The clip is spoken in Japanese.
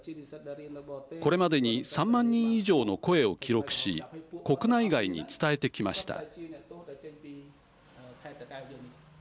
これまでに３万人以上の声を記録し国内外に伝えてきました。